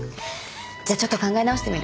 じゃあちょっと考え直してみる。